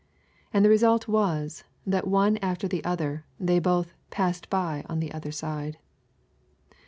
And the result was, that one after the other, they both " passed by on the other side.''